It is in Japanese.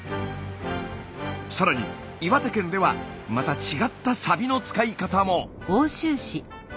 更に岩手県ではまた違ったサビの使い方も。